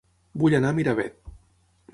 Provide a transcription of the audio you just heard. Vull anar a Miravet